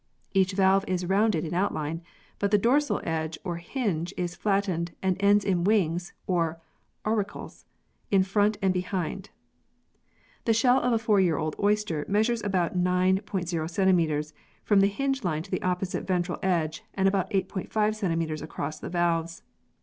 Each valve is rounded in outline, but the dorsal edge or hinge is flattened and ends in wings (or auricles) in front and behind. The shell of a four year old oyster measures about 9'0 cm. from the hinge line to the opposite ventral edge and about 8*5 cm. across the valves.